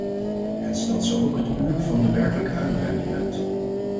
Het stelt zo ook het uur van de werkelijke uitbreiding uit.